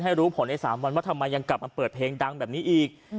รู้ผลใน๓วันว่าทำไมยังกลับมาเปิดเพลงดังแบบนี้อีก